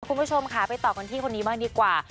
คุณผู้ชมค่ะไปต่อกันที่คนนี้บ้างดีกว่า